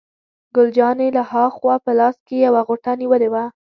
ګل جانې له ها خوا په لاس کې یوه غوټه نیولې وه.